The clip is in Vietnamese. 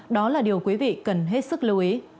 đó là điều quý vị cần hết sức lưu ý